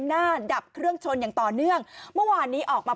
หน้าดับเครื่องชนอย่างต่อเนื่องเมื่อวานนี้ออกมา